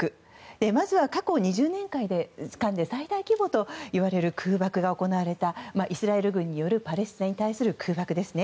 まずは過去２０年間で最大規模といわれる空爆が行われたイスラエル軍によるパレスチナに対する空爆ですね。